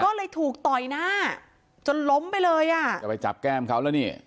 ก็เลยถูกต่อยหน้าจนล้มไปเลยอ่ะจะไปจับแก้มเขาแล้วนี่